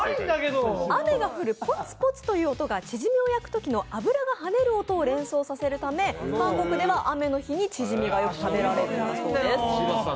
雨が降るポツポツという音が、チヂミを焼くときの油がはねる音を連想させるため韓国では雨の日にチヂミがよく食べられるんだそうです。